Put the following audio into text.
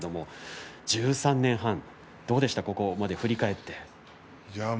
１３年半どうでしたか、ここまで振り返って。